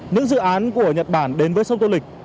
những dự án của nhật bản đến với sông tô lịch